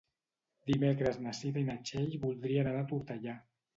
Dimecres na Cira i na Txell voldrien anar a Tortellà.